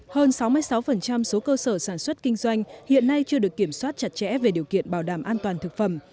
hơn sáu mươi sáu số cơ sở sản xuất kinh doanh hiện nay chưa được kiểm soát chặt chẽ về điều kiện bảo đảm an toàn thực phẩm